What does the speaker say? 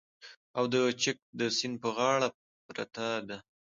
او د چک د سیند په غاړه پرته ده